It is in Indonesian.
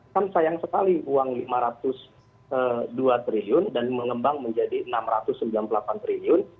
kan sayang sekali uang rp lima ratus dua triliun dan mengembang menjadi rp enam ratus sembilan puluh delapan triliun